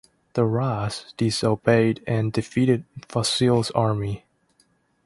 The "Ras" disobeyed and defeated Fasil's army.